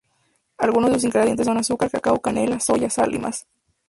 Algunos de sus ingredientes son azúcar, cacao, canela, soya, sal y más.